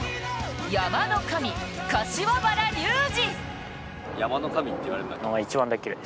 山の神・柏原竜二。